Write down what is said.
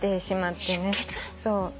そう。